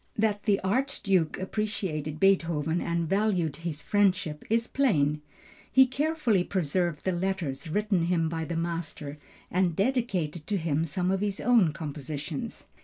That the Archduke appreciated Beethoven and valued his friendship is plain. He carefully preserved the letters written him by the master and dedicated to him some of his own compositions.